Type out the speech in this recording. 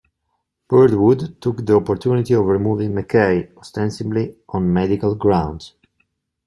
Birdwood took the opportunity of removing McCay, ostensibly on medical grounds.